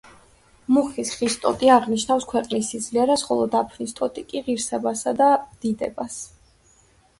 მუხის ხის ტოტი აღნიშნავს ქვეყნის სიძლიერეს, ხოლო დაფნის ტოტი კი: ღირსებასა და დიდებას.